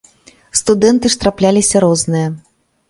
Студэнты ж трапляліся розныя.